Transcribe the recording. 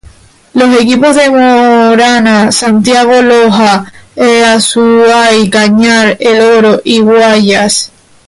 Los equipos de Morona Santiago, Loja, Azuay, Cañar, El Oro y Guayas.